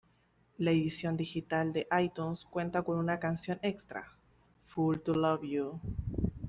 La edición digital de itunes cuenta con una canción extra, "Fool to Love You".